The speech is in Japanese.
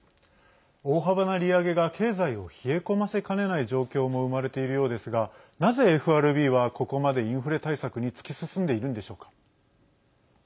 大幅な利上げが経済を冷え込ませかねない状況も生まれているようですがなぜＦＲＢはここまでインフレ対策に突き進んでいるのでしょうか。